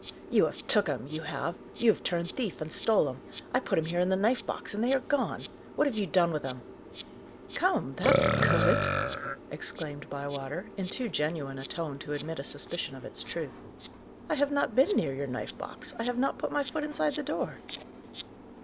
"You have took 'em, you have! you have turned thief, and stole 'em! I put 'em here in the knife box, and they are gone! What have you done with 'em?" "Come, that's good!" exclaimed Bywater, in too genuine a tone to admit a suspicion of its truth. "I have not been near your knife box; I have not put my foot inside the door."